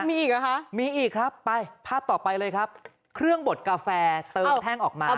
มีอีกเหรอคะมีอีกครับไปภาพต่อไปเลยครับเครื่องบดกาแฟเติมแท่งออกมา